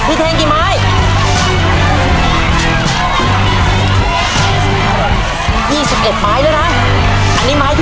พี่ขวัญได้๑๖ไม้แล้วนะฮะ๑๗ไม้แล้วนะครับ